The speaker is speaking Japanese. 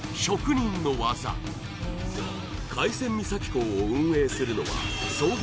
海鮮三崎港を運営するのは創業